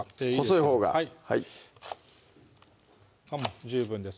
細いほうが十分です